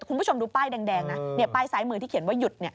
คุณผู้ชมดูป้ายแดงนะป้ายซ้ายมือที่เขียนว่าหยุด